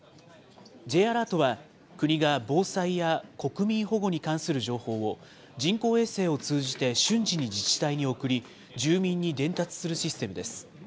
Ｊアラートは、国が防災や国民保護に関する情報を、人工衛星を通じて瞬時に自治体に送り、住民に伝達するシステムです。